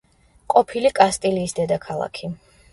ყოფილი კასტილიის დედაქალაქი.